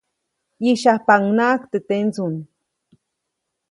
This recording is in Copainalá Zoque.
ʼYĩsyajpaʼunhnaʼajk teʼ tendsuŋ.